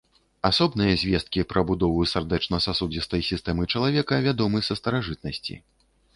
Асобныя звесткі пра будову сардэчна-сасудзістай сістэмы чалавека вядомы са старажытнасці.